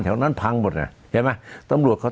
แถวนั้นพังหมดอ่ะใช่ไหมตำรวจเขา